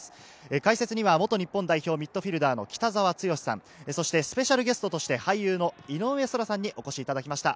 解説には元日本代表・ミッドフィルダーの北澤豪さん、スペシャルゲストとして俳優の井上想良さんにお越しいただきました。